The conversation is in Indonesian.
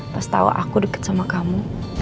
pas tau aku dekat sama kamu